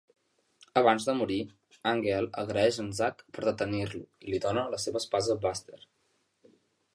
Abans de morir, Angeal agraeix en Zack per detenir-lo i li dóna la seva espasa Buster.